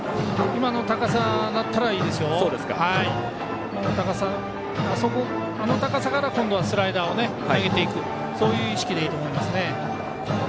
今の高さ、あの高さから今度はスライダーを投げていくそういう意識でいいと思います。